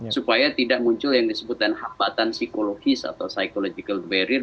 supaya tidak muncul yang disebutkan hambatan psikologis atau psychological barrier